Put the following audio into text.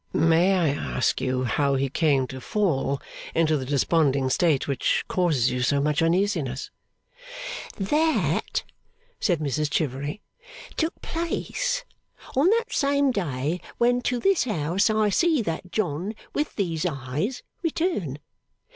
'May I ask you how he came to fall into the desponding state which causes you so much uneasiness?' 'That,' said Mrs Chivery, 'took place on that same day when to this house I see that John with these eyes return.